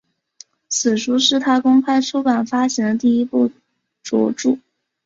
此书是他公开出版发行的第一部着作。